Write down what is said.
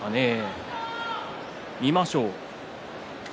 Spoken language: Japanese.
見てみましょう。